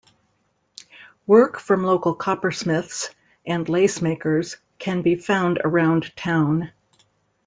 Work from local coppersmiths and lacemakers can be found around town.